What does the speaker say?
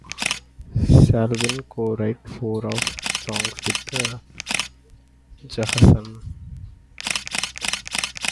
Sylvain co-wrote four of the songs with Johansen.